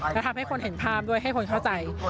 แล้วทำให้คนเห็นภาพด้วยให้คนเข้าใจ